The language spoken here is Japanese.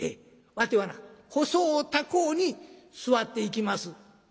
わてはな細う高うに座っていきます」。